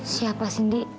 siapa sih di